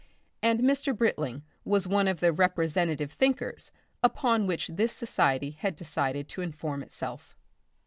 And Mr. Britling was one of the representative thinkers upon which this society had decided to inform itself.